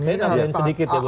saya tambahin sedikit ya